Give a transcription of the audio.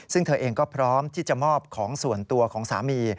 ซึ่งเธอเองก็พร้อมที่จะมอบของส่วนตัวของสามี